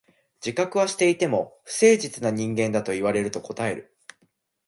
自覚はしていても、不誠実な人間だと言われると応える。